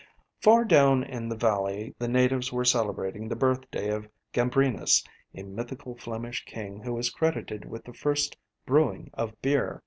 Far down in the valley the natives were celebrating the birthday of Gambrinus, a mythical Flemish king who is credited with the first brewing of beer.